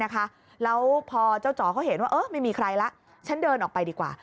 แล้วพอเจ้าจ๋อเขาเห็นว่าไม่มีใครแล้วฉันเดินออกไปดีกว่า